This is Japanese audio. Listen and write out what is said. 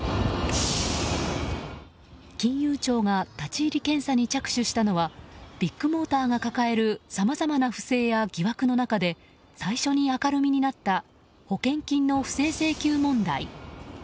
金融庁が立ち入り検査に着手したのはビッグモーターが抱えるさまざまな不正や疑惑の中で最初に明るみになった保険金の不正請求問題。